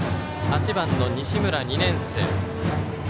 ８番の西村、２年生。